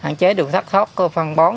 hạn chế được thắp thót phân bón